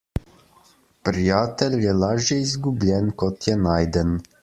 Prijatelj je lažje izgubljen, kot je najden.